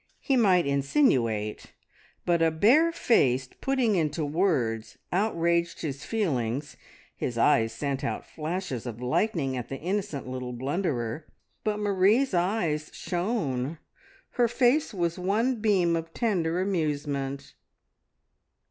He might insinuate, but a barefaced putting into words outraged his feelings. His eyes sent out flashes of lightning at the innocent little blunderer, but Marie's eyes shone; her face was one beam of tender amusement.